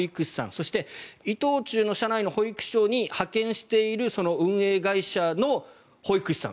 そして伊藤忠の社内の保育所に派遣している運営会社の保育士さん。